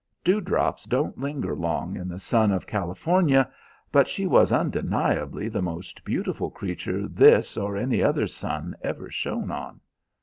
"Dewdrops don't linger long in the sun of California. But she was undeniably the most beautiful creature this or any other sun ever shone on."